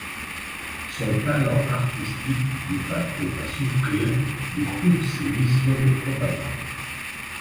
Son talent artistique n'eut pas trop à souffrir de toutes ces missions de propagande.